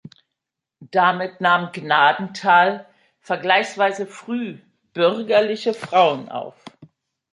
Damit nahm Gnadenthal vergleichsweise früh bürgerliche Frauen auf.